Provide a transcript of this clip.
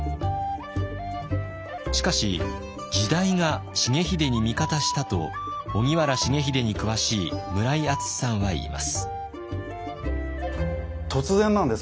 しかし時代が重秀に味方したと荻原重秀に詳しい村井淳志さんは言います。